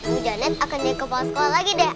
bu janet akan jadi kapal sekolah lagi deh